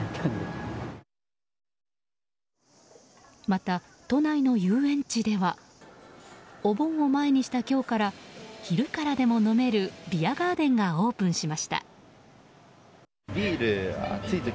また、都内の遊園地ではお盆を前にした今日から昼からでも飲めるビアガーデンがオープンしました。